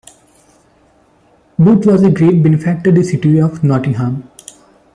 Boot was a great benefactor to the City of Nottingham.